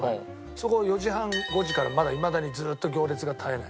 そこ４時半５時からまだいまだにずっと行列が絶えない。